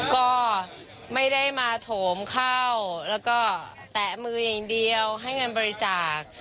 ก็ไม่ได้มาโถมเข้าแล้วก็แตะมืออย่างเดียวให้เงินบริจาค